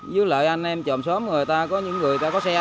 với lại anh em chồm xóm người ta có những người ta có xe đó